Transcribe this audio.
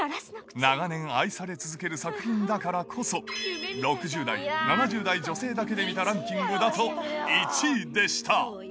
長年愛され続ける作品だからこそ、６０代、７０代女性だけで見たランキングだと１位でした。